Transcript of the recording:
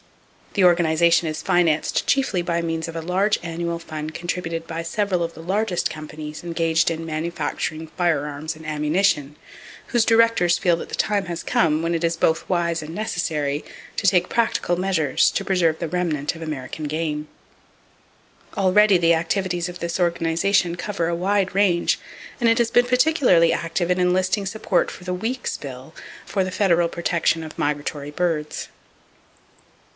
The organization is financed chiefly by means of a large annual fund contributed by several of the largest companies engaged in manufacturing firearms and [Page 257] ammunition, whose directors feel that the time has come when it is both wise and necessary to take practical measures to preserve the remnant of American game. Already the activities of this organization cover a wide range, and it has been particularly active in enlisting support for the Weeks bill for the federal protection of migratory birds.